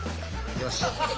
よし。